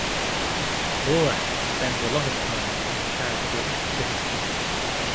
Lorak spends a lot of time on charitable activities.